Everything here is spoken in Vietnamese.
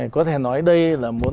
có thể nói đây là muốn